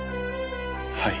はい。